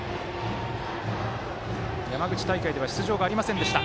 山口大会では出場がありませんでした。